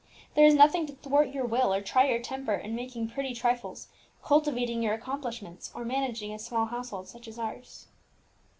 "There is nothing to thwart your will or try your temper in making pretty trifles, cultivating your accomplishments, or managing a small household such as ours."